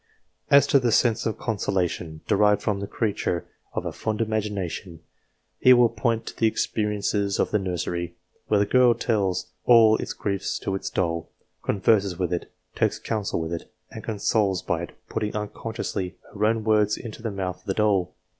As to the sense of consolation, derived from the creature DIVINES 269 of a fond imagination, he will point to the experiences of the nursery, where the girl tells all its griefs to its doll, converses with it, takes counsel with it, and is consoled by it, putting unconsciously her own words into the mouth of the doll.